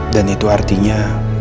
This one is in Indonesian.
dan itu artinya